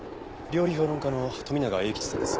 料理評論家の富永栄吉さんです。